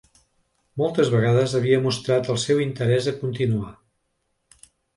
Moltes vegades havia mostrat el seu interès a continuar.